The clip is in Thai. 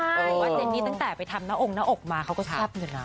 ว่าเจนนี้ตั้งแต่ไปทำหน้าองค์หน้าอกค์มาเค้าก็ทรัพย์เลยล่ะ